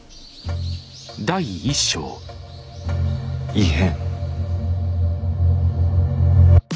「異変」。